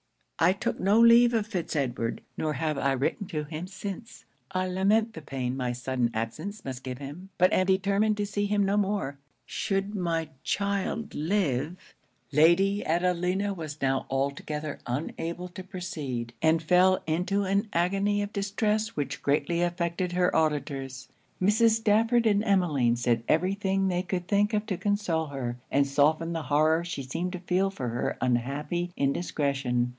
'I took no leave of Fitz Edward; nor have I written to him since. I lament the pain my sudden absence must give him; but am determined to see him no more. Should my child live 'Lady Adelina was now altogether unable to proceed, and fell into an agony of distress which greatly affected her auditors. Mrs. Stafford and Emmeline said every thing they could think of to console her, and soften the horror she seemed to feel for her unhappy indiscretion.